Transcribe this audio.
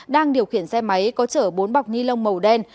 đang điều khiển xe máy có chở bốn bọc ni lông màu đen